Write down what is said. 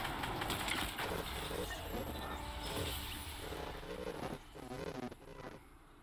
格罗索立功啦！